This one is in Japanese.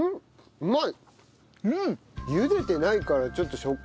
うまい。